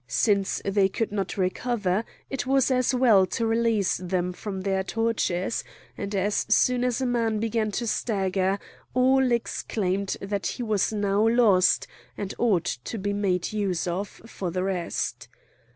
Since they could not recover, it was as well to release them from their tortures; and, as soon as a man began to stagger, all exclaimed that he was now lost, and ought to be made use of for the rest.